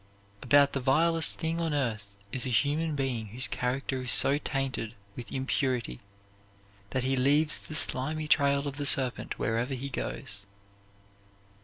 About the vilest thing on earth is a human being whose character is so tainted with impurity that he leaves the slimy trail of the serpent wherever he goes.